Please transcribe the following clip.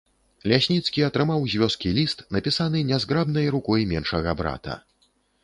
Лясніцкі атрымаў з вёскі ліст, напісаны нязграбнай рукой меншага брата.